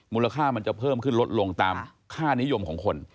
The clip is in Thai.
มูลค่ามันจะเพิ่มขึ้นลดลงตามค่านิยมของคน